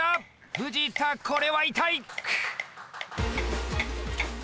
藤田これは痛い！